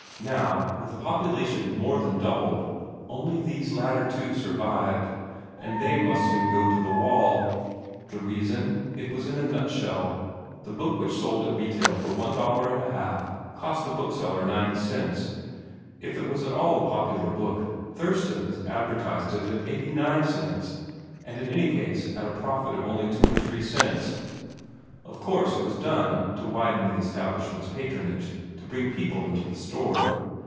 Now, with a population more than doubled, only these latter two survived, and they must soon go to the wall. The reason? It was in a nutshell. A book which sold at retail for one dollar and a half cost the bookseller ninety cents. If it was at all a popular book, "Thurston's" advertised it at eighty nine cents and in any case at a profit of only two or three cents. Of course it was done to widen the establishment's patronage to bring people into the store.